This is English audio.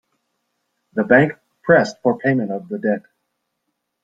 The bank pressed for payment of the debt.